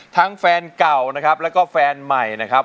ทั้งแฟนเก่านะครับและแฟนใหม่นะครับ